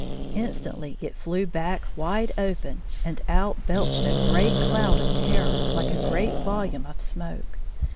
Instantly it flew back wide open, and out belched a great cloud of terror like a great vol ume of smoke.